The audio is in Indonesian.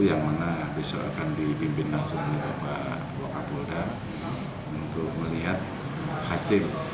yang mana besok akan dipimpin langsung oleh bapak wakapolda untuk melihat hasil